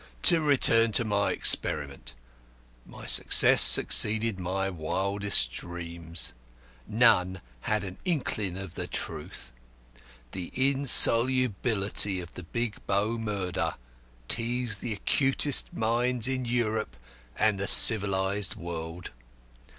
"To return to my experiment. My success exceeded my wildest dreams. None had an inkling of the truth. The insolubility of the Big Bow Mystery teased the acutest minds in Europe and the civilised world.